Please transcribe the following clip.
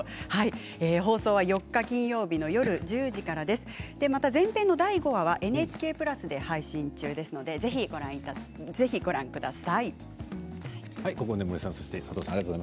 放送は４日金曜日、夜１０時から前編の第５話はＮＨＫプラスで配信中ですのでぜひご覧ください。